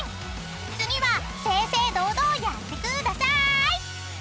［次は正々堂々やってくださーい！］